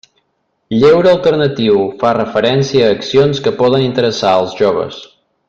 Lleure alternatiu: fa referència a accions que poden interessar els joves.